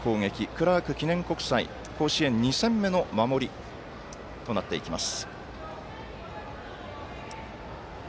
クラーク記念国際甲子園２戦目の守りとなっていきます。